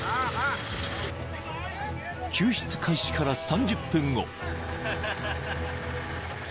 ［救出開始から３０分後］